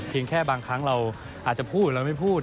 แค่บางครั้งเราอาจจะพูดเราไม่พูด